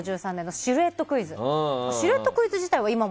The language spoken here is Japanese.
シルエットクイズ自体は今も。